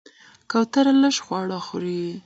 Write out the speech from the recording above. کوتره لږ خواړه خوري.